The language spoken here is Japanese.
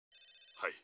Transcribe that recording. はい。